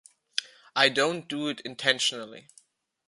I don't do it intentionally.